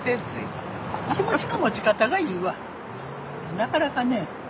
なかなかね。